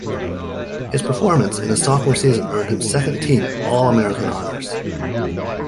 His performance in his sophomore season earned him second-team All-American honors.